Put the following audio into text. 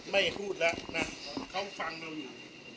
ไม่พูดแล้วนะเขาฟังเราอยู่